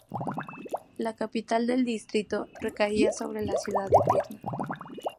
La capital del distrito recaía sobre la ciudad de Pirna.